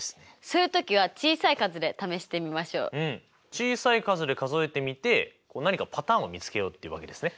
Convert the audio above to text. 小さい数で数えてみて何かパターンを見つけようっていうわけですね。